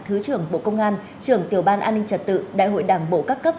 thứ trưởng bộ công an trưởng tiểu ban an ninh trật tự đại hội đảng bộ các cấp